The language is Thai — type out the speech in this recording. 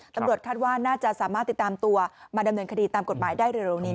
ตำรวจคาดว่าน่าจะสามารถติดตามตัวมาดำเนินคดีตามกฎหมายได้เร็วนี้